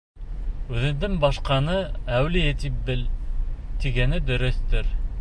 Үҙеңдән башҡаны әүлиә тип бел, тигәне дөрөҫтөр.